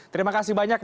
terima kasih banyak